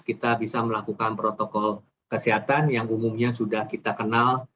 kita bisa melakukan protokol kesehatan yang umumnya sudah kita kenal